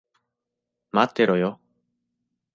待ってろよ。